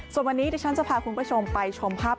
ส่วนวันนี้ดิฉันจะพาคุณผู้ชมไปชมภาพ